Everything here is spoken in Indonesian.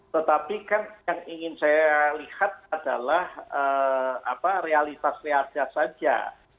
tetapi kan yang ingin saya lihat adalah realitas realitas saja